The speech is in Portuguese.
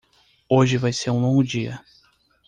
Hoje vai ser um longo dia.